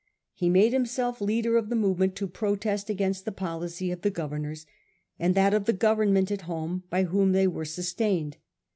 He made himself leader of the movement to protest against the policy of the governors, and that of the Government at home by whom they were sus tained.